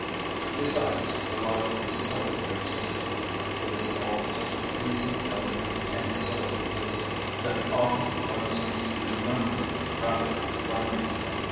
Besides, the logic is so irresistible, it is all such easy going and so lucid that often one seems to be remembering rather than learning.